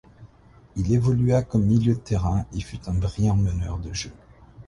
Il évolua comme milieu de terrain et fut un brillant meneur de jeu.